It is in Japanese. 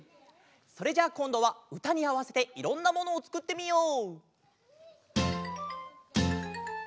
それじゃあこんどはうたにあわせていろんなものをつくってみよう！